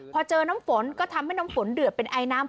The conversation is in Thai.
พอเจอน้ำฝนก็ทำให้น้ำฝนเดือดเป็นไอน้ำ